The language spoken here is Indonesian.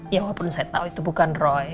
ya walaupun saya tahu itu bukan roy